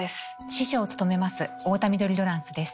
司書を務めます太田緑ロランスです。